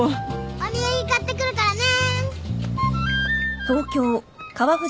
お土産買ってくるからね。